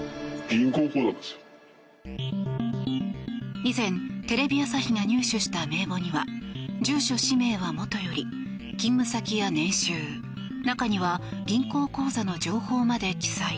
以前テレビ朝日が入手した名簿には住所・氏名はもとより勤務先や年収中には銀行口座の情報まで記載。